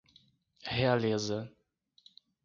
Realeza